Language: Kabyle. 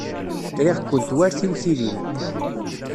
Riɣ-kent war tiwtilin.